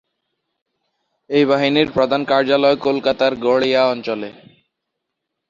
এই বাহিনীর প্রধান কার্যালয় কলকাতার গড়িয়া অঞ্চলে।